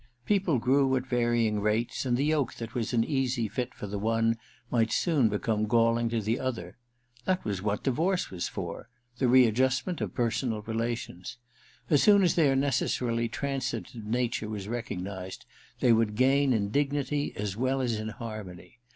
People grew at varying rates, and the yoke that was an easy fit for the one 212 THE RECKONING ii might soon become galling to the other. That was what divorce was for : the readjustment of personal relations. As soon as their necessarily transitive nature was recognized they would gain in dignity as well as in harmony.